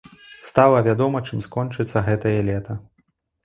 Стала вядома, чым скончыцца гэтае лета!